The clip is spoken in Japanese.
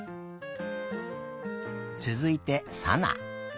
つづいてさな。